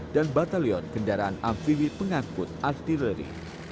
dan batalion kendaraan amfibi pengangkut artileri